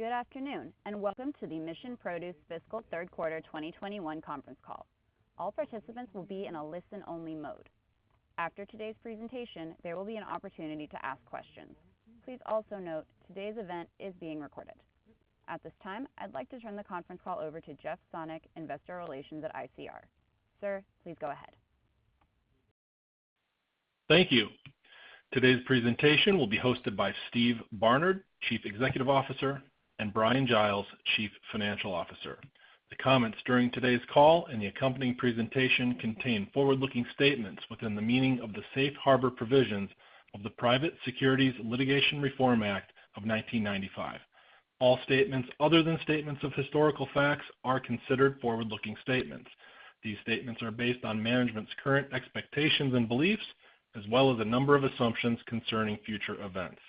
Good afternoon, and welcome to the Mission Produce Fiscal Third Quarter 2021 Conference Call. All participants will be in a listen only mode. After today's presentation, there will be an opportunity to ask questions. Please also note, today's event is being recorded. At this time, I'd like to turn the conference call over to Jeff Sonnek, Investor Relations at ICR. Sir, please go ahead. Thank you. Today's presentation will be hosted by Steve Barnard, Chief Executive Officer, and Bryan Giles, Chief Financial Officer. The comments during today's call and the accompanying presentation contain forward-looking statements within the meaning of the safe harbor provisions of the Private Securities Litigation Reform Act of 1995. All statements other than statements of historical facts are considered forward-looking statements. These statements are based on management's current expectations and beliefs, as well as a number of assumptions concerning future events.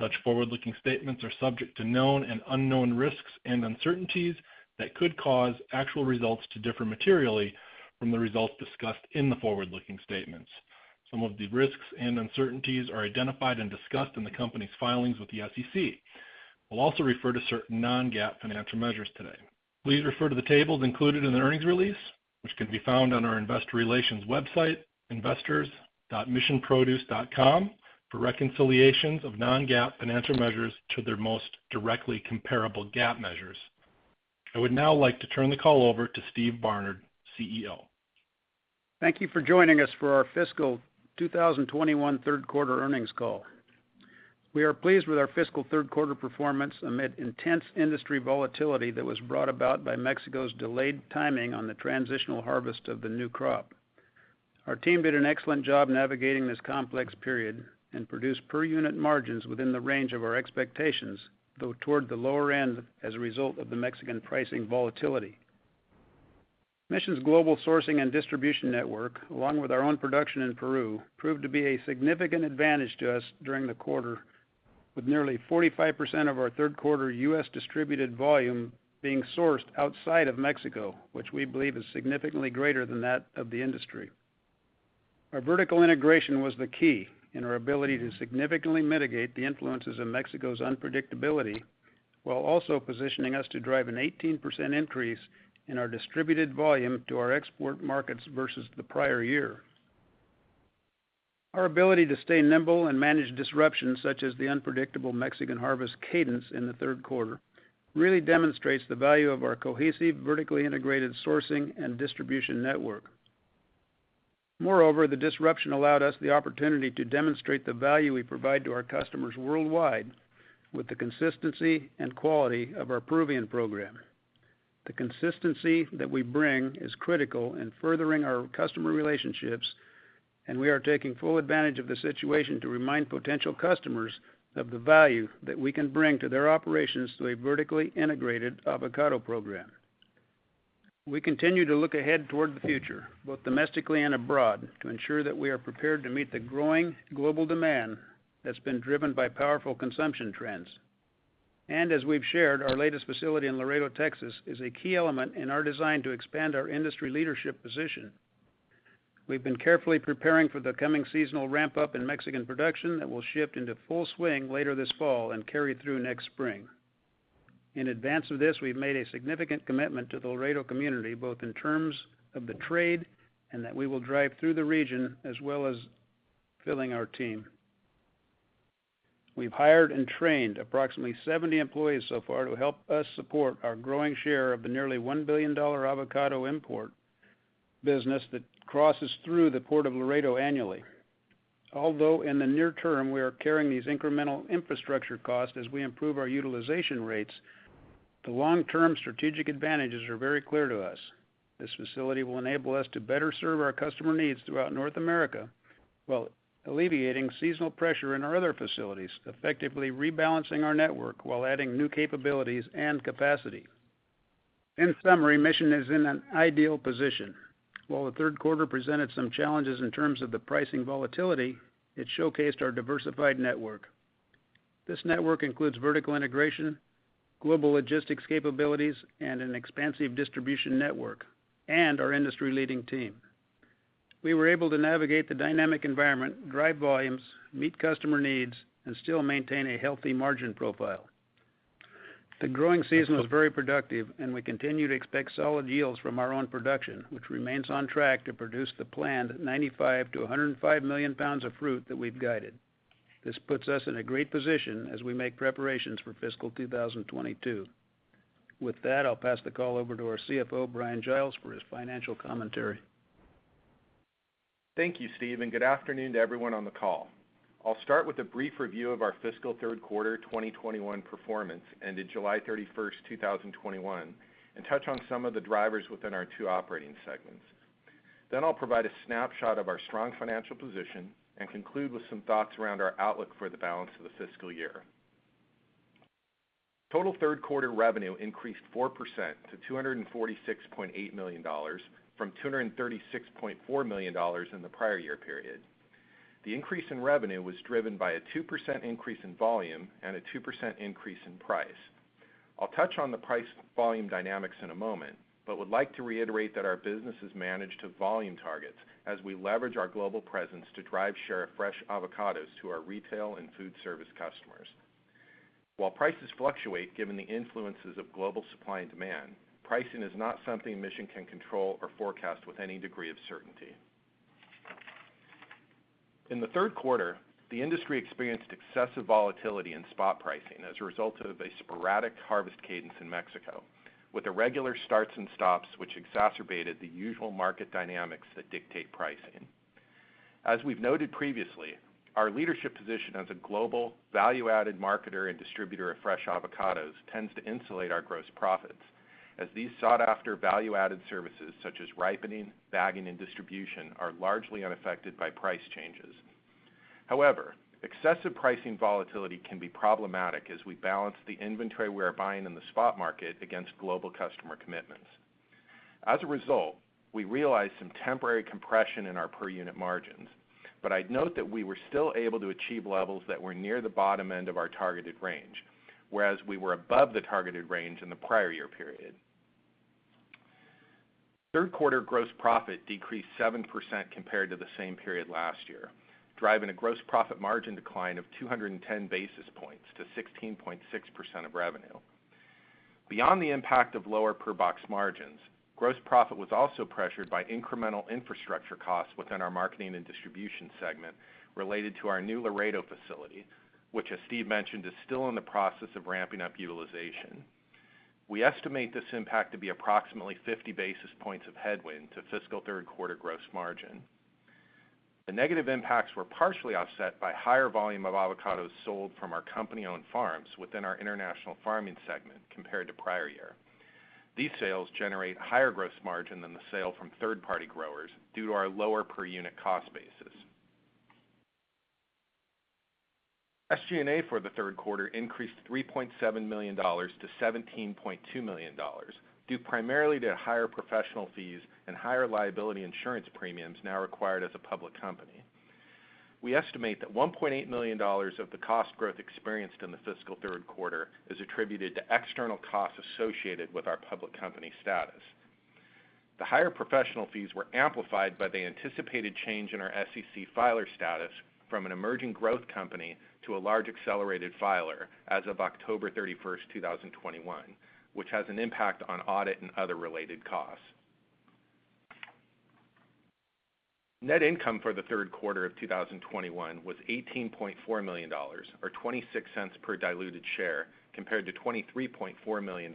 Such forward-looking statements are subject to known and unknown risks and uncertainties that could cause actual results to differ materially from the results discussed in the forward-looking statements. Some of the risks and uncertainties are identified and discussed in the company's filings with the SEC. We will also refer to certain non-GAAP financial measures today. Please refer to the tables included in the earnings release, which can be found on our investor relations website, investors.missionproduce.com, for reconciliations of non-GAAP financial measures to their most directly comparable GAAP measures. I would now like to turn the call over to Steve Barnard, CEO. Thank you for joining us for our Fiscal 2021 Third Quarter Earnings Call. We are pleased with our fiscal third quarter performance amid intense industry volatility that was brought about by Mexico's delayed timing on the transitional harvest of the new crop. Our team did an excellent job navigating this complex period, and produced per unit margins within the range of our expectations, though toward the lower end as a result of the Mexican pricing volatility. Mission's global sourcing and distribution network, along with our own production in Peru, proved to be a significant advantage to us during the quarter, with nearly 45% of our third quarter U.S. distributed volume being sourced outside of Mexico, which we believe is significantly greater than that of the industry. Our vertical integration was the key in our ability to significantly mitigate the influences of Mexico's unpredictability, while also positioning us to drive an 18% increase in our distributed volume to our export markets versus the prior year. Our ability to stay nimble and manage disruption such as the unpredictable Mexican harvest cadence in the third quarter really demonstrates the value of our cohesive, vertically integrated sourcing and distribution network. Moreover, the disruption allowed us the opportunity to demonstrate the value we provide to our customers worldwide with the consistency and quality of our Peruvian program. The consistency that we bring is critical in furthering our customer relationships, and we are taking full advantage of the situation to remind potential customers of the value that we can bring to their operations through a vertically integrated avocado program. We continue to look ahead toward the future, both domestically and abroad, to ensure that we are prepared to meet the growing global demand that's been driven by powerful consumption trends. As we've shared, our latest facility in Laredo, Texas, is a key element in our design to expand our industry leadership position. We've been carefully preparing for the coming seasonal ramp-up in Mexican production that will shift into full swing later this fall and carry through next spring. In advance of this, we've made a significant commitment to the Laredo community, both in terms of the trade and that we will drive through the region as well as filling our team. We've hired and trained approximately 70 employees so far to help us support our growing share of the nearly $1 billion avocado import business that crosses through the port of Laredo annually. Although in the near term we are carrying these incremental infrastructure costs as we improve our utilization rates, the long-term strategic advantages are very clear to us. This facility will enable us to better serve our customer needs throughout North America while alleviating seasonal pressure in our other facilities, effectively rebalancing our network while adding new capabilities and capacity. In summary, Mission is in an ideal position. While the third quarter presented some challenges in terms of the pricing volatility, it showcased our diversified network. This network includes vertical integration, global logistics capabilities, and an expansive distribution network, and our industry-leading team. We were able to navigate the dynamic environment, drive volumes, meet customer needs, and still maintain a healthy margin profile. The growing season was very productive, we continue to expect solid yields from our own production, which remains on track to produce the planned 95 million-105 million pounds of fruit that we've guided. This puts us in a great position as we make preparations for fiscal 2022. With that, I'll pass the call over to our CFO, Bryan Giles, for his financial commentary. Thank you, Steve, and good afternoon to everyone on the call. I'll start with a brief review of our fiscal third quarter 2021 performance ended July 31st, 2021, and touch on some of the drivers within our two operating segments. I'll provide a snapshot of our strong financial position and conclude with some thoughts around our outlook for the balance of the fiscal year. Total third quarter revenue increased 4% to $246.8 million, from $236.4 million in the prior year period. The increase in revenue was driven by a 2% increase in volume and a 2% increase in price. I'll touch on the price volume dynamics in a moment, but would like to reiterate that our business is managed to volume targets as we leverage our global presence to drive share of fresh avocados to our retail and food service customers. While prices fluctuate given the influences of global supply and demand, pricing is not something Mission can control or forecast with any degree of certainty. In the third quarter, the industry experienced excessive volatility in spot pricing as a result of a sporadic harvest cadence in Mexico, with irregular starts and stops which exacerbated the usual market dynamics that dictate pricing. As we've noted previously, our leadership position as a global value-added marketer and distributor of fresh avocados tends to insulate our gross profits, as these sought after value-added services such as ripening, bagging, and distribution are largely unaffected by price changes. However, excessive pricing volatility can be problematic as we balance the inventory we are buying in the spot market against global customer commitments. As a result, we realized some temporary compression in our per unit margins, but I'd note that we were still able to achieve levels that were near the bottom end of our targeted range, whereas we were above the targeted range in the prior year period. Third quarter gross profit decreased 7% compared to the same period last year, driving a gross profit margin decline of 210 basis points to 16.6% of revenue. Beyond the impact of lower per box margins, gross profit was also pressured by incremental infrastructure costs within our Marketing & Distribution segment related to our new Laredo facility, which as Steve mentioned, is still in the process of ramping up utilization. We estimate this impact to be approximately 50 basis points of headwind to fiscal third quarter gross margin. The negative impacts were partially offset by higher volume of avocados sold from our company-owned farms within our International Farming segment compared to prior year. These sales generate higher gross margin than the sale from third-party growers due to our lower per unit cost basis. SG&A for the third quarter increased $3.7 million-$17.2 million, due primarily to higher professional fees and higher liability insurance premiums now required as a public company. We estimate that $1.8 million of the cost growth experienced in the fiscal third quarter is attributed to external costs associated with our public company status. The higher professional fees were amplified by the anticipated change in our SEC filer status from an emerging growth company to a large accelerated filer as of October 31st, 2021, which has an impact on audit and other related costs. Net income for the third quarter of 2021 was $18.4 million, or $0.26 per diluted share, compared to $23.4 million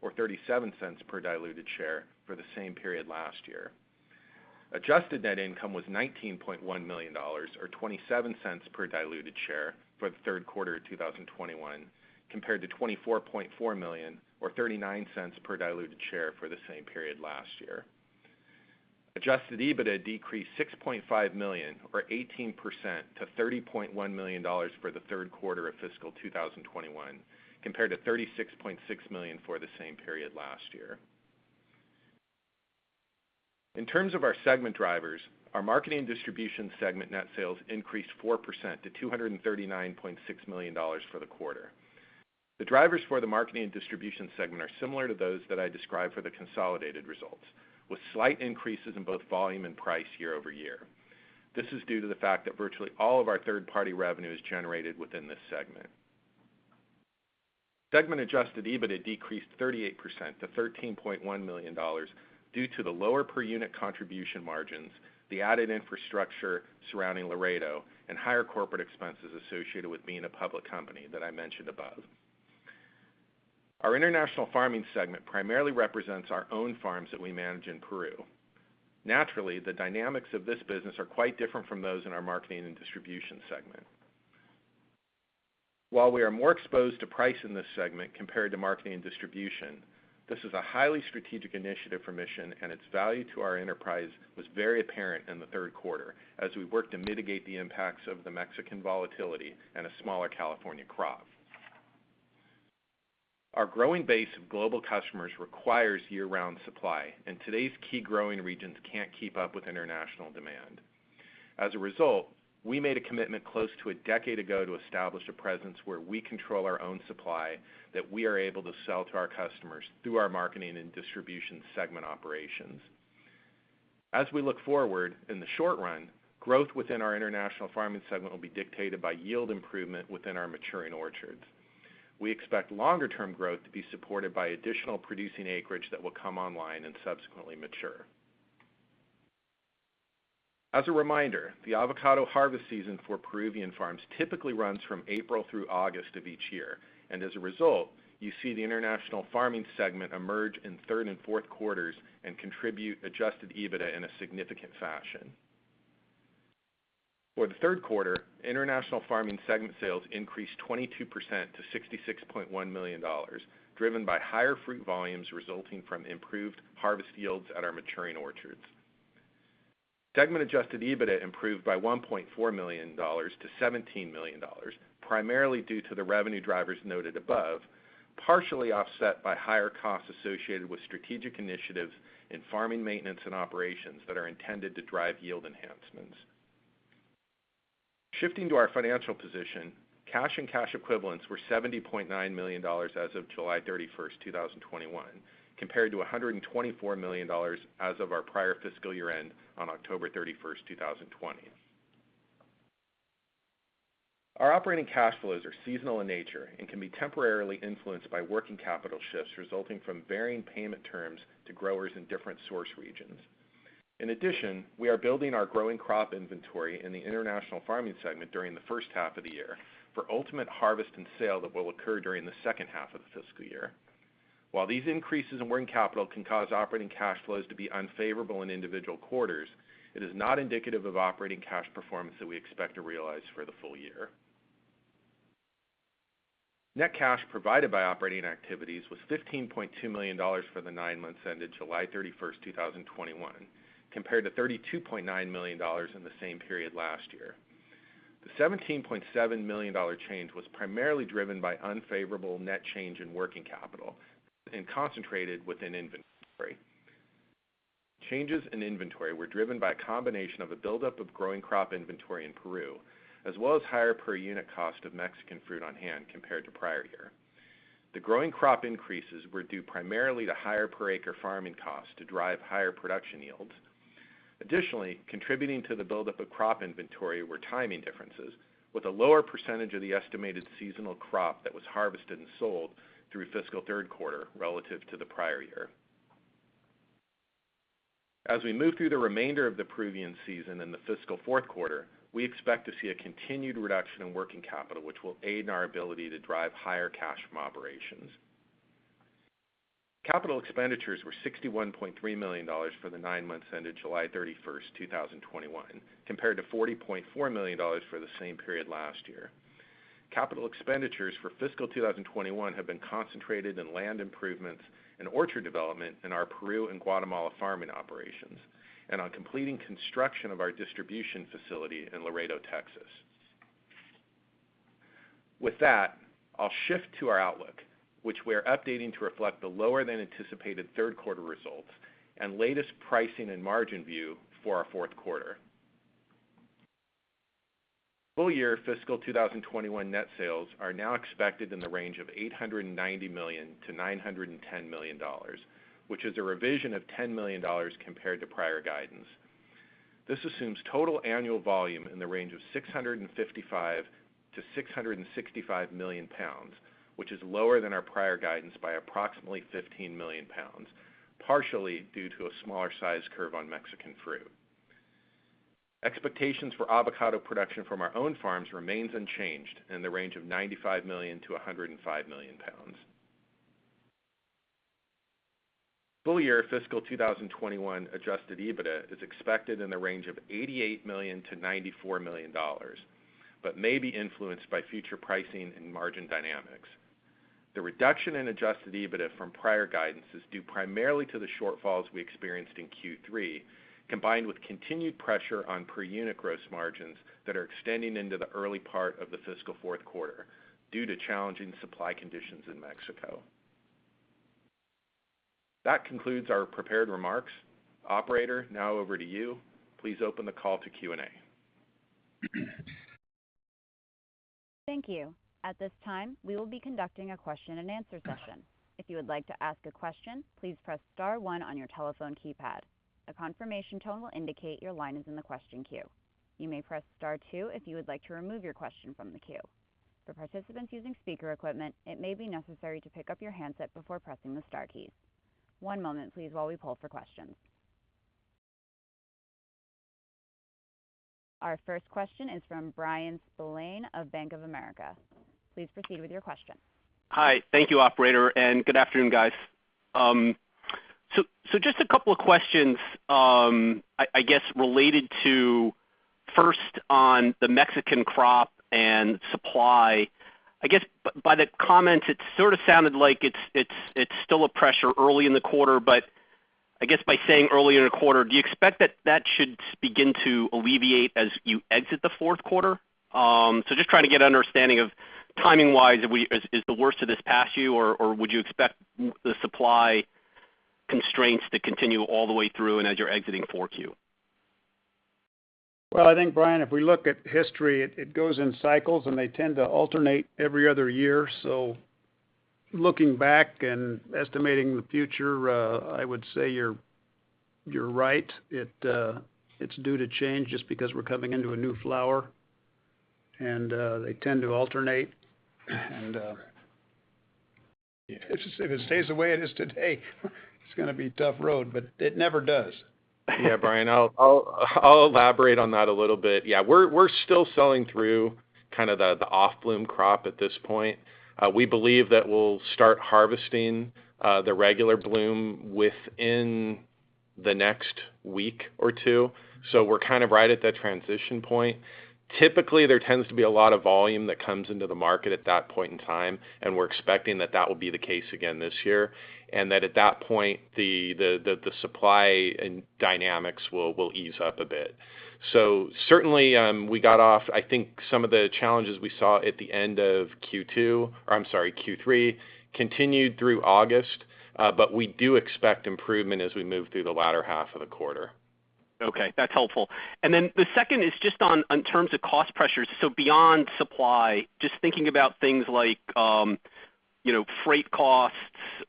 or $0.37 per diluted share for the same period last year. Adjusted net income was $19.1 million, or $0.27 per diluted share for the third quarter of 2021, compared to $24.4 million or $0.39 per diluted share for the same period last year. Adjusted EBITDA decreased $6.5 million or 18% to $30.1 million for the third quarter of fiscal 2021, compared to $36.6 million for the same period last year. In terms of our segment drivers, our Marketing & Distribution segment net sales increased 4% to $239.6 million for the quarter. The drivers for the Marketing & Distribution segment are similar to those that I described for the consolidated results, with slight increases in both volume and price year-over-year. This is due to the fact that virtually all of our third-party revenue is generated within this segment. Segment adjusted EBITDA decreased 38% to $13.1 million due to the lower per unit contribution margins, the added infrastructure surrounding Laredo, and higher corporate expenses associated with being a public company that I mentioned above. Our International Farming segment primarily represents our own farms that we manage in Peru. Naturally, the dynamics of this business are quite different from those in our Marketing & Distribution segment. While we are more exposed to price in this segment compared to Marketing & Distribution, this is a highly strategic initiative for Mission, and its value to our enterprise was very apparent in the third quarter as we worked to mitigate the impacts of the Mexican volatility and a smaller California crop. Our growing base of global customers requires year-round supply, and today's key growing regions can't keep up with international demand. As a result, we made a commitment close to a decade ago to establish a presence where we control our own supply that we are able to sell to our customers through our Marketing & Distribution segment operations. As we look forward, in the short run, growth within our International Farming segment will be dictated by yield improvement within our maturing orchards. We expect longer term growth to be supported by additional producing acreage that will come online and subsequently mature. As a reminder, the avocado harvest season for Peruvian farms typically runs from April through August of each year, and as a result, you see the International Farming segment emerge in third and fourth quarters and contribute adjusted EBITDA in a significant fashion. For the third quarter, International Farming segment sales increased 22% to $66.1 million, driven by higher fruit volumes resulting from improved harvest yields at our maturing orchards. Segment adjusted EBITDA improved by $1.4 million-$17 million, primarily due to the revenue drivers noted above, partially offset by higher costs associated with strategic initiatives in farming maintenance and operations that are intended to drive yield enhancements. Shifting to our financial position, cash and cash equivalents were $70.9 million as of July 31st, 2021, compared to $124 million as of our prior fiscal year end on October 31st, 2020. Our operating cash flows are seasonal in nature and can be temporarily influenced by working capital shifts resulting from varying payment terms to growers in different source regions. In addition, we are building our growing crop inventory in the International Farming segment during the first half of the year for ultimate harvest and sale that will occur during the second half of the fiscal year. While these increases in working capital can cause operating cash flows to be unfavorable in individual quarters, it is not indicative of operating cash performance that we expect to realize for the full year. Net cash provided by operating activities was $15.2 million for the nine months ended July 31st, 2021, compared to $32.9 million in the same period last year. The $17.7 million change was primarily driven by unfavorable net change in working capital and concentrated within inventory. Changes in inventory were driven by a combination of a buildup of growing crop inventory in Peru, as well as higher per unit cost of Mexican fruit on hand compared to prior year. The growing crop increases were due primarily to higher per acre farming costs to drive higher production yields. Additionally, contributing to the buildup of crop inventory were timing differences with a lower percentage of the estimated seasonal crop that was harvested and sold through fiscal third quarter relative to the prior year. As we move through the remainder of the Peruvian season in the fiscal fourth quarter, we expect to see a continued reduction in working capital, which will aid in our ability to drive higher cash from operations. Capital expenditures were $61.3 million for the nine months ended July 31st, 2021, compared to $40.4 million for the same period last year. Capital expenditures for fiscal 2021 have been concentrated in land improvements and orchard development in our Peru and Guatemala farming operations and on completing construction of our distribution facility in Laredo, Texas. With that, I'll shift to our outlook, which we are updating to reflect the lower than anticipated third quarter results and latest pricing and margin view for our fourth quarter. Full year fiscal 2021 net sales are now expected in the range of $890 million-$910 million, which is a revision of $10 million compared to prior guidance. This assumes total annual volume in the range of 655million-665 million pounds, which is lower than our prior guidance by approximately 15 million pounds, partially due to a smaller size curve on Mexican fruit. Expectations for avocado production from our own farms remains unchanged in the range of 95 million-105 million pounds. Full year fiscal 2021 adjusted EBITDA is expected in the range of $88 million-$94 million, but may be influenced by future pricing and margin dynamics. The reduction in adjusted EBITDA from prior guidance is due primarily to the shortfalls we experienced in Q3, combined with continued pressure on per unit gross margins that are extending into the early part of the fiscal fourth quarter due to challenging supply conditions in Mexico. That concludes our prepared remarks. Operator, now over to you. Please open the call to Q&A. Thank you. At this time, we will be conducting a question-and-answer session. If you would like to ask a question, please press star one on your telephone keypad. A confirmation tone indicates your line is in the question queue. Your may press star two if you would like to remove your question from the queue. For participants using speaker equipment may be necessary to pick up your handset before pressing the star key. One moment please while we pull the question. Our first question is from Bryan Spillane of Bank of America. Please proceed with your question. Hi. Thank you, operator, and good afternoon, guys. Just a couple of questions, I guess related to first on the Mexican crop and supply. I guess by the comments, it sort of sounded like it's still a pressure early in the quarter, but I guess by saying early in the quarter, do you expect that that should begin to alleviate as you exit the fourth quarter? Just trying to get an understanding of timing-wise, is the worst of this past you, or would you expect the supply constraints to continue all the way through and as you're exiting 4Q? Well, I think, Bryan, if we look at history, it goes in cycles, and they tend to alternate every other year. Looking back and estimating the future, I would say you're right. It's due to change just because we're coming into a new flower and they tend to alternate. If it stays the way it is today, it's going to be a tough road, but it never does. Yeah, Bryan, I'll elaborate on that a little bit. Yeah, we're still selling through kind of the off-bloom crop at this point. We believe that we'll start harvesting the regular bloom within the next week or two, so we're kind of right at that transition point. Typically, there tends to be a lot of volume that comes into the market at that point in time, and we're expecting that will be the case again this year, and that at that point, the supply and dynamics will ease up a bit. Certainly, I think some of the challenges we saw at the end of Q2, or I'm sorry, Q3, continued through August. We do expect improvement as we move through the latter half of the quarter. Okay, that's helpful. The second is just on terms of cost pressures. Beyond supply, just thinking about things like freight costs,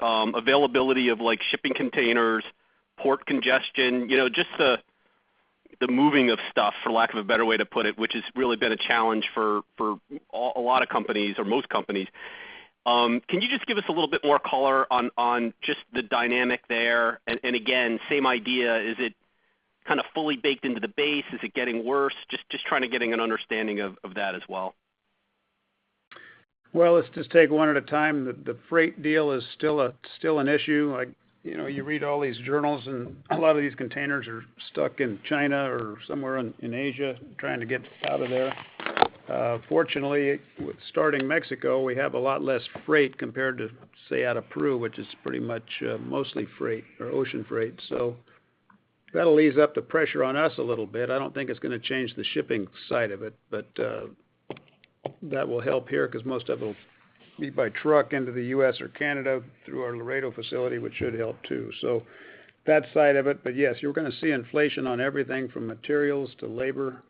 availability of shipping containers, port congestion, just the moving of stuff, for lack of a better way to put it, which has really been a challenge for a lot of companies or most companies. Can you just give us a little bit more color on just the dynamic there? Again, same idea, is it kind of fully baked into the base? Is it getting worse? Just trying to getting an understanding of that as well. Well, let's just take one at a time. The freight deal is still an issue. You read all these journals, and a lot of these containers are stuck in China or somewhere in Asia trying to get out of there. Fortunately, starting Mexico, we have a lot less freight compared to, say, out of Peru, which is pretty much mostly freight or ocean freight. That'll ease up the pressure on us a little bit. I don't think it's going to change the shipping side of it, but that will help here because most of it'll be by truck into the U.S. or Canada through our Laredo facility, which should help too. That side of it. Yes, you're going to see inflation on everything from materials to labor.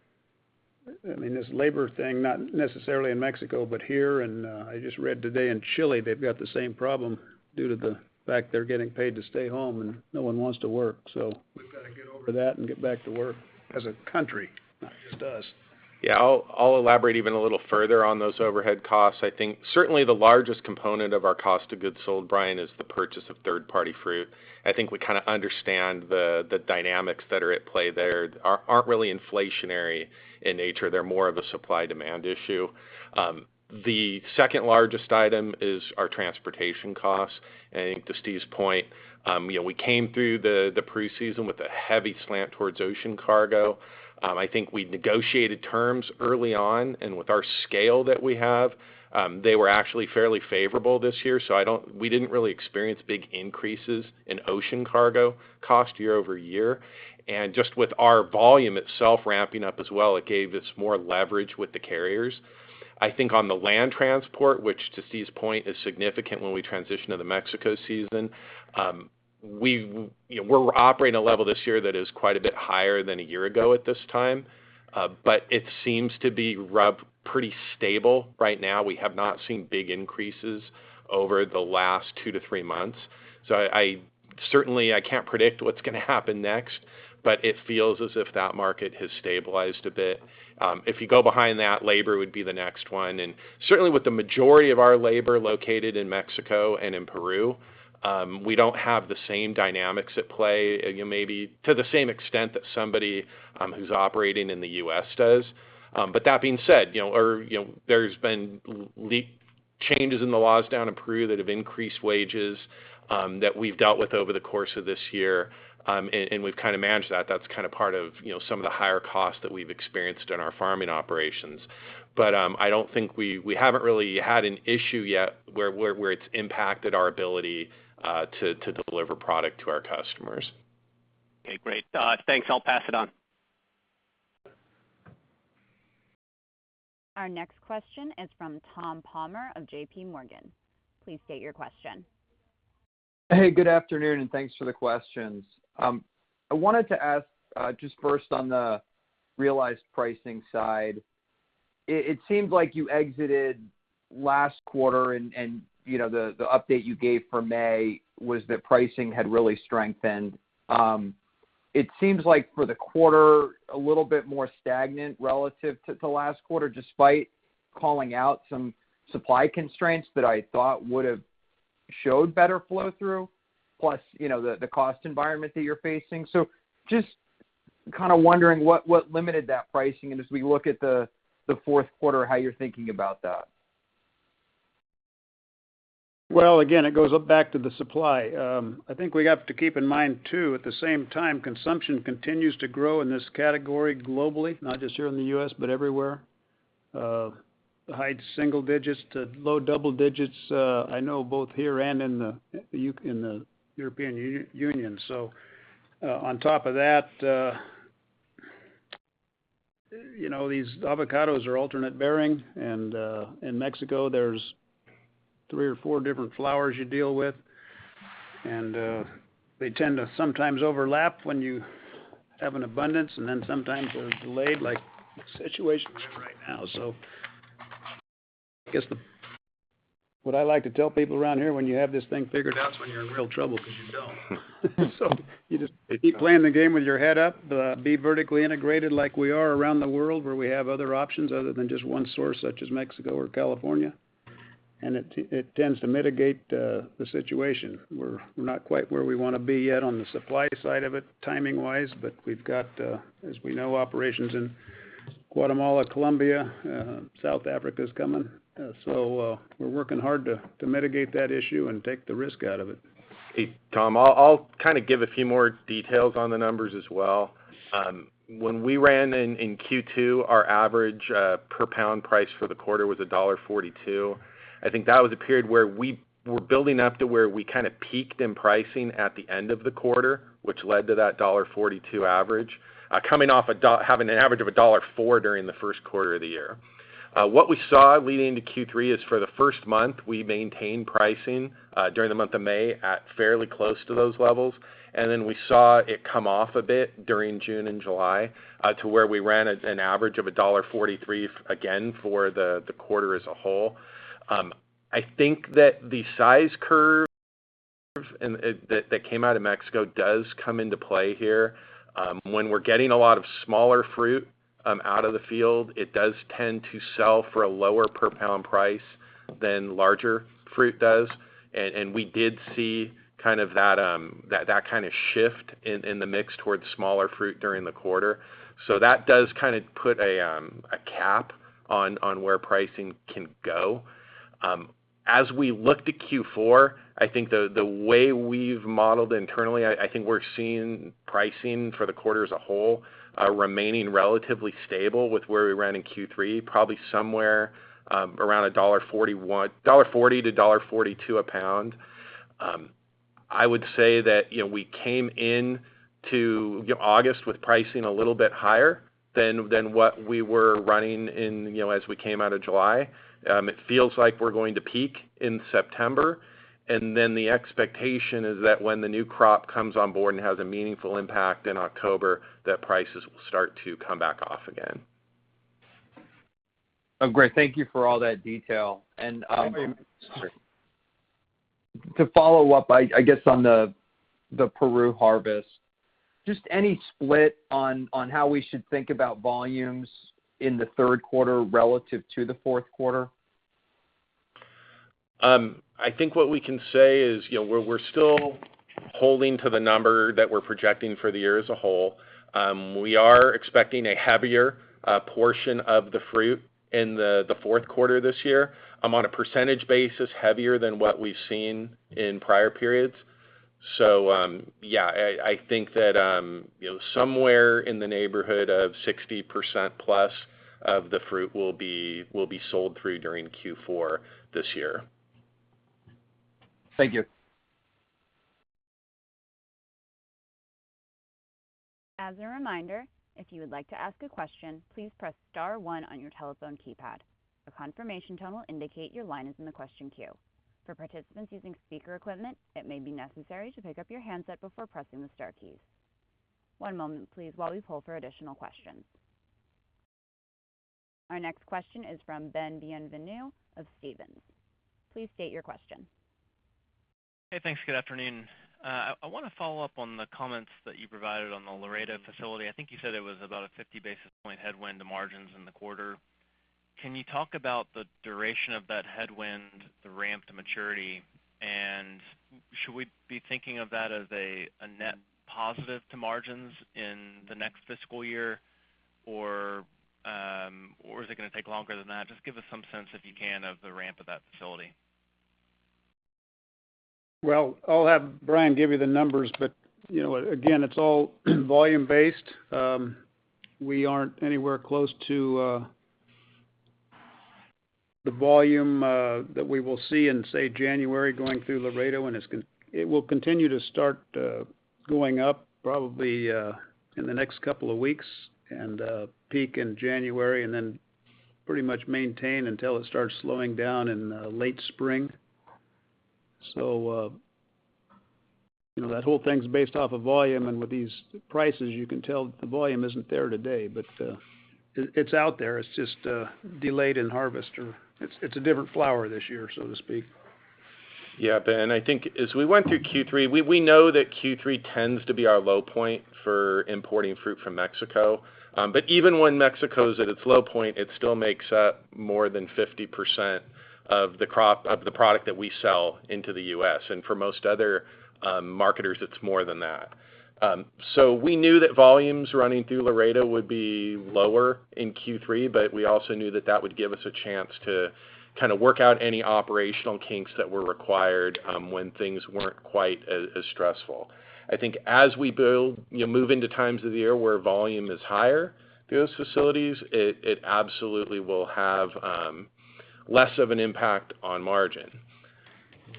This labor thing, not necessarily in Mexico, but here, and I just read today in Chile, they've got the same problem due to the fact they're getting paid to stay home and no one wants to work. We've got to get over that and get back to work as a country, not just us. I'll elaborate even a little further on those overhead costs. I think certainly the largest component of our cost of goods sold, Bryan, is the purchase of third-party fruit. I think we kind of understand the dynamics that are at play there aren't really inflationary in nature. They're more of a supply/demand issue. The second largest item is our transportation costs. I think to Steve's point, we came through the preseason with a heavy slant towards ocean cargo. I think we negotiated terms early on, and with our scale that we have, they were actually fairly favorable this year. We didn't really experience big increases in ocean cargo cost year-over-year. Just with our volume itself ramping up as well, it gave us more leverage with the carriers. I think on the land transport, which to Steve's point, is significant when we transition to the Mexico season. We're operating a level this year that is quite a bit higher than a year ago at this time. It seems to be pretty stable right now. We have not seen big increases over the last two-three months. Certainly I can't predict what's going to happen next, but it feels as if that market has stabilized a bit. If you go behind that, labor would be the next one. Certainly with the majority of our labor located in Mexico and in Peru, we don't have the same dynamics at play, maybe to the same extent that somebody who's operating in the U.S. does. That being said, there's been changes in the laws down in Peru that have increased wages that we've dealt with over the course of this year, and we've kind of managed that. That's kind of part of some of the higher costs that we've experienced in our farming operations. But I don't think we haven't really had one issue yet where it's impacted our ability to deliver product to our customers. Okay, great. Thanks, I'll pass it on. Our next question is from Tom Palmer of JPMorgan. Please state your question. Hey, good afternoon, thanks for the questions. I wanted to ask, just first on the realized pricing side. It seemed like you exited last quarter and the update you gave for May was that pricing had really strengthened. It seems like for the quarter, a little bit more stagnant relative to the last quarter, despite calling out some supply constraints that I thought would have showed better flow through, plus the cost environment that you're facing. Just kind of wondering what limited that pricing and as we look at the fourth quarter, how you're thinking about that. Again, it goes back to the supply. I think we have to keep in mind, too, at the same time, consumption continues to grow in this category globally, not just here in the U.S., but everywhere. High single digits to low double digits, I know both here and in the European Union. On top of that, these avocados are alternate bearing, and in Mexico, there's three or four different flowers you deal with, and they tend to sometimes overlap when you have an abundance, and then sometimes they're delayed, like the situation we're in right now. I guess what I like to tell people around here, when you have this thing figured out is when you're in real trouble because you don't. You just keep playing the game with your head up, be vertically integrated like we are around the world, where we have other options other than just one source, such as Mexico or California, and it tends to mitigate the situation. We're not quite where we want to be yet on the supply side of it timing-wise, but we've got, as we know, operations in Guatemala, Colombia, South Africa is coming. We're working hard to mitigate that issue and take the risk out of it. Hey, Tom, I'll kind of give a few more details on the numbers as well. When we ran in Q2, our average per pound price for the quarter was $1.42. I think that was a period where we were building up to where we kind of peaked in pricing at the end of the quarter, which led to that $1.42 average, coming off having an average of $1.04 during the first quarter of the year. What we saw leading into Q3 is for the first month, we maintained pricing during the month of May at fairly close to those levels, and then we saw it come off a bit during June and July to where we ran at an average of $1.43 again for the quarter as a whole. I think that the size curve that came out of Mexico does come into play here. When we're getting a lot of smaller fruit out of the field, it does tend to sell for a lower per pound price than larger fruit does. We did see that kind of shift in the mix towards smaller fruit during the quarter. That does put a cap on where pricing can go. As we look to Q4, I think the way we've modeled internally, I think we're seeing pricing for the quarter as a whole remaining relatively stable with where we ran in Q3, probably somewhere around $1.40-$1.42 a pound. I would say that we came into August with pricing a little bit higher than what we were running as we came out of July. It feels like we're going to peak in September, and then the expectation is that when the new crop comes on board and has a meaningful impact in October, that prices will start to come back off again. Oh, great. Thank you for all that detail. To follow up, I guess on the Peru harvest, just any split on how we should think about volumes in the third quarter relative to the fourth quarter? I think what we can say is we're still holding to the number that we're projecting for the year as a whole. We are expecting a heavier portion of the fruit in the fourth quarter this year, on a percentage basis heavier than what we've seen in prior periods. Yeah, I think that somewhere in the neighborhood of 60%+ of the fruit will be sold through during Q4 this year. Thank you. As a reminder, if you would like to ask a question, please press star one on your telephone keypad. A confirmation tone will indicate your line is in the question queue. For participants using speaker equipment, it may be necessary to pick up your handset before pressing the star keys. One moment, please, while we pull for additional questions. Our next question is from Ben Bienvenu of Stephens. Please state your question. Hey, thanks. Good afternoon. I want to follow up on the comments that you provided on the Laredo facility. I think you said it was about a 50 basis point headwind to margins in the quarter. Can you talk about the duration of that headwind, the ramp to maturity, and should we be thinking of that as a net positive to margins in the next fiscal year? Or is it going to take longer than that? Just give us some sense, if you can, of the ramp of that facility. Well, I'll have Bryan give you the numbers, but again, it's all volume based. We aren't anywhere close to the volume that we will see in, say, January going through Laredo, and it will continue to start going up probably in the next couple of weeks and peak in January, and then pretty much maintain until it starts slowing down in late spring. That whole thing's based off of volume, and with these prices, you can tell the volume isn't there today, but it's out there. It's just delayed in harvest, or it's a different flower this year, so to speak. Ben, I think as we went through Q3, we know that Q3 tends to be our low point for importing fruit from Mexico. Even when Mexico is at its low point, it still makes up more than 50% of the product that we sell into the U.S., and for most other marketers, it's more than that. We knew that volumes running through Laredo would be lower in Q3, but we also knew that that would give us a chance to work out any operational kinks that were required when things weren't quite as stressful. I think as we move into times of the year where volume is higher through those facilities, it absolutely will have less of an impact on margin.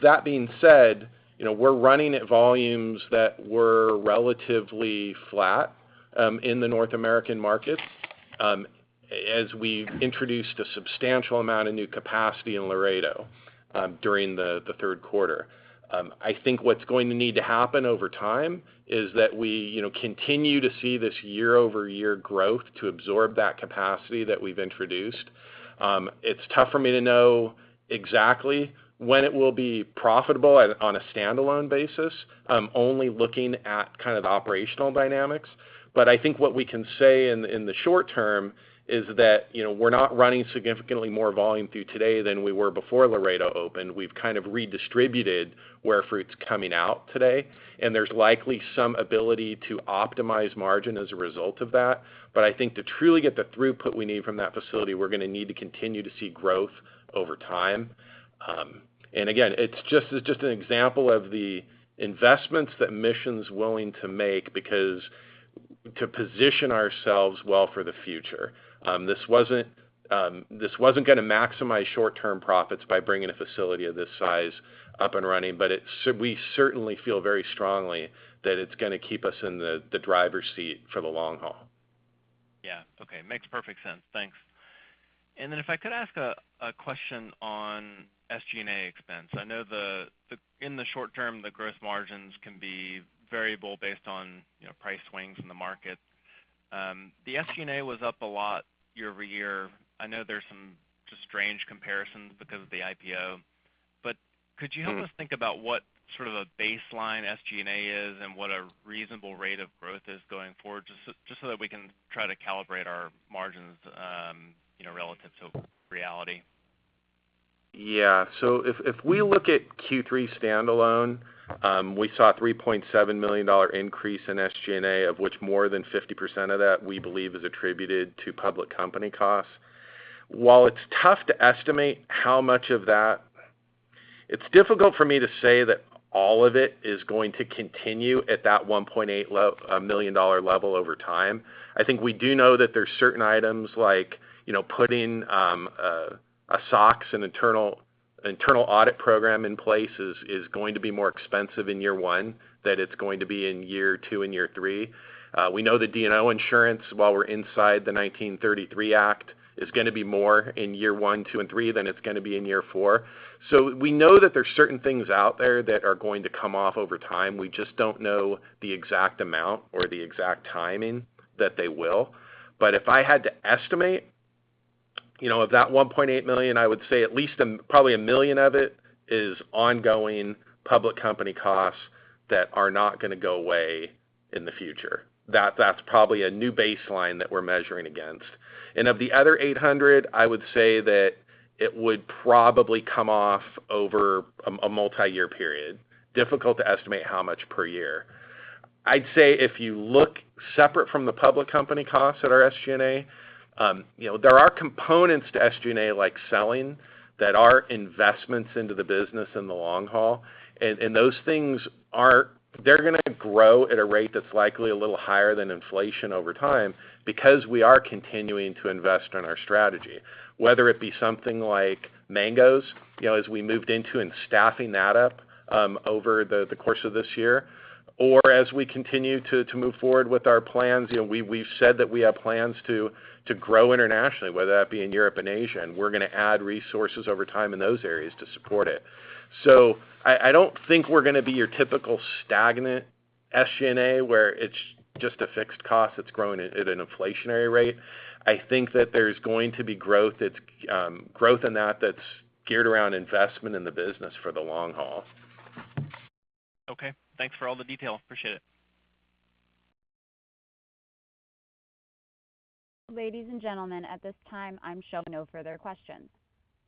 That being said, we're running at volumes that were relatively flat in the North American market as we introduced a substantial amount of new capacity in Laredo during the third quarter. I think what's going to need to happen over time is that we continue to see this year-over-year growth to absorb that capacity that we've introduced. It's tough for me to know exactly when it will be profitable on a standalone basis only looking at kind of the operational dynamics. I think what we can say in the short term is that we're not running significantly more volume through today than we were before Laredo opened. We've kind of redistributed where fruit's coming out today, and there's likely some ability to optimize margin as a result of that. I think to truly get the throughput we need from that facility, we're going to need to continue to see growth over time. Again, it's just an example of the investments that Mission's willing to make because to position ourselves well for the future. This wasn't going to maximize short term profits by bringing a facility of this size up and running, but we certainly feel very strongly that it's going to keep us in the driver's seat for the long haul. Yeah. Okay. Makes perfect sense. Thanks. If I could ask a question on SG&A expense. I know in the short term, the gross margins can be variable based on price swings in the market. The SG&A was up a lot year-over-year. I know there's some just strange comparisons because of the IPO, but could you help us think about what sort of a baseline SG&A is and what a reasonable rate of growth is going forward, just so that we can try to calibrate our margins relative to reality? Yeah. If we look at Q3 standalone, we saw a $3.7 million increase in SG&A, of which more than 50% of that we believe is attributed to public company costs. While it's tough to estimate how much of that, it's difficult for me to say that all of it is going to continue at that $1.8 million level over time. I think we do know that there's certain items like putting a SOX, an internal audit program in place is going to be more expensive in year one than it's going to be in year two and year three. We know that D&O insurance, while we're inside the 1933 Act, is going to be more in year one, two, and three than it's going to be in year four. We know that there's certain things out there that are going to come off over time. We just don't know the exact amount or the exact timing that they will. If I had to estimate, of that $1.8 million, I would say at least probably $1 million of it is ongoing public company costs that are not going to go away in the future. That's probably a new baseline that we're measuring against. Of the other $800,000, I would say that it would probably come off over a multi-year period. Difficult to estimate how much per year. I'd say if you look separate from the public company costs at our SG&A, there are components to SG&A like selling that are investments into the business in the long haul, and those things, they're going to grow at a rate that's likely a little higher than inflation over time because we are continuing to invest in our strategy. Whether it be something like mangos, as we moved into and staffing that up over the course of this year, or as we continue to move forward with our plans. We've said that we have plans to grow internationally, whether that be in Europe and Asia, and we're going to add resources over time in those areas to support it. I don't think we're going to be your typical stagnant SG&A, where it's just a fixed cost that's growing at an inflationary rate. I think that there's going to be growth in that that's geared around investment in the business for the long haul. Okay. Thanks for all the detail. Appreciate it. Ladies and gentlemen, at this time, I'm showing no further questions.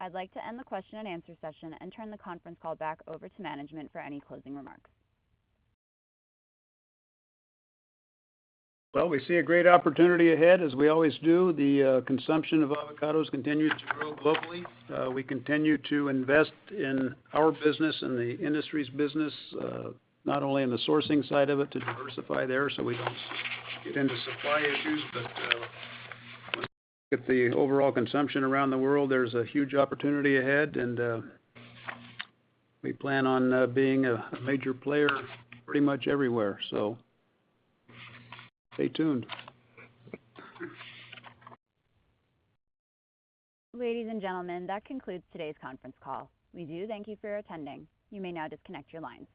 I'd like to end the question-and-answer session and turn the conference call back over to management for any closing remarks. Well, we see a great opportunity ahead, as we always do. The consumption of avocados continues to grow globally. We continue to invest in our business and the industry's business, not only in the sourcing side of it to diversify there so we don't get into supply issues. With the overall consumption around the world, there's a huge opportunity ahead, and we plan on being a major player pretty much everywhere. Stay tuned. Ladies and gentlemen, that concludes today's conference call. We do thank you for attending. You may now disconnect your lines.